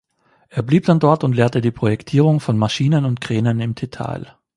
Er blieb dann dort und lehrte die Projektierung von Maschinen und Kränen im Detail.